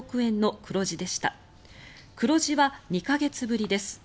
黒字は２か月ぶりです。